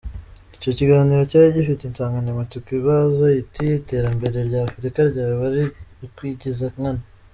Icyo kiganiro cyari gifite insanganyamatsiko ibaza iti “Iterambere rya Afurika ryaba ari ukwigiza nkana?.